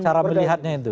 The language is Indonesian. cara melihatnya itu